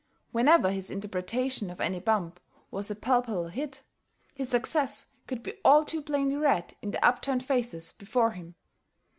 Whenever his interpretation of any bump was a palpable hit, his success could be all too plainly read in the upturned faces before him.